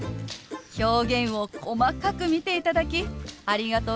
表現を細かく見ていただきありがとうございます。